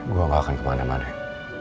gue gak akan kemana mana